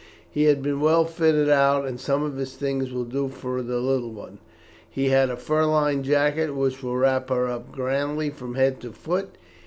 He had been well fitted out, and some of his things will do for the little one. He had a fur lined jacket which will wrap her up grandly from head to foot.